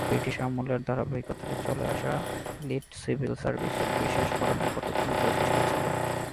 British আমলের ধারাবাহিকতায় চলে আসা এলিট সিভিল সার্ভিসের বিশেষ ধরনের কতকগুলো বৈশিষ্ট্য ছিল।